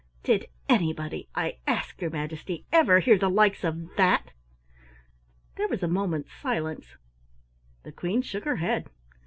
Did anybody, I ask your Majesty, ever hear the likes of that?" There was a moment's silence. The Queen shook her head.